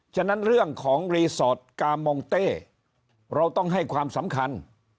ฉะนั้นเรื่องของรีสอร์ทกามองเต้เราต้องให้ความสำคัญ